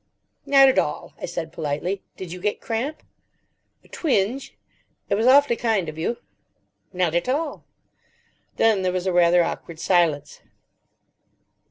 "Not at all," I said politely. "Did you get cramp?" "A twinge. It was awfully kind of you." "Not at all." Then there was a rather awkward silence.